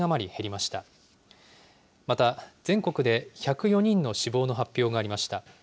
また全国で１０４人の死亡の発表がありました。